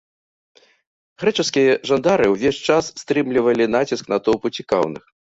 Грэчаскія жандары ўвесь час стрымлівалі націск натоўпу цікаўных.